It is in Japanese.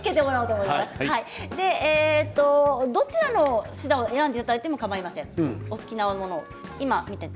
どちらのシダを選んでいただいてもかまいません。